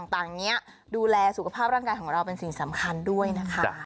ต่างนี้ดูแลสุขภาพร่างกายของเราเป็นสิ่งสำคัญด้วยนะคะ